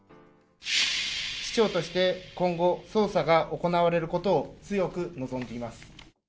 市長として今後、捜査が行われることを強く望んでいます。